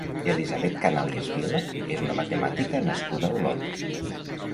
Elisabet Canalias Vila és una matemàtica nascuda a Olot.